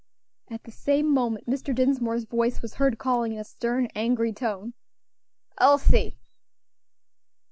At the same moment Mr. Dinsmore's voice was heard calling in a stern, angry tone, "Elsie!"